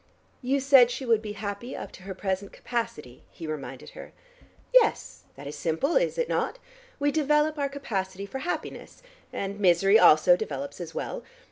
"You said she would be happy up to her present capacity?" he reminded her. "Yes: that is simple, is it not? We develop our capacity for happiness; and misery, also, develops as well.